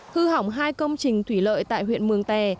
hư hỏng hai công trình thủy lợi tại huyện mường tè